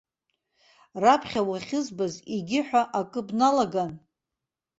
Раԥхьа уахьызбаз, егьи ҳәа акы бналаган?